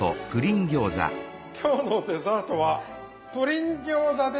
今日のデザートはプリン餃子です。